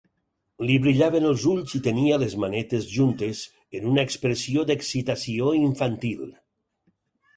Li brillaven els ulls i tenia les manetes juntes en una expressió d'excitació infantil.